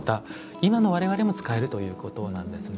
今の我々も使えるということなんですね。